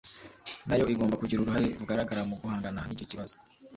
nayo igomba kugira uruhare rugaragara mu guhangana n’icyo kibazo